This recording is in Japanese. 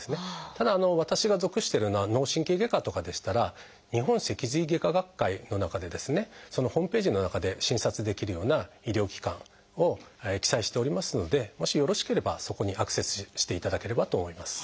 ただ私が属してるような脳神経外科とかでしたら日本脊髄外科学会の中でですねそのホームページの中で診察できるような医療機関を記載しておりますのでもしよろしければそこにアクセスしていただければと思います。